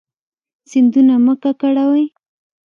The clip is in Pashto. سیندونه مه ککړوئ